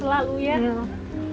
terima kasih banyak ibu